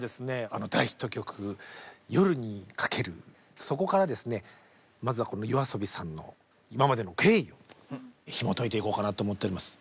あの大ヒット曲「夜に駆ける」そこからですねまずはこのＹＯＡＳＯＢＩさんの今までの経緯ひもといていこうかなと思っております。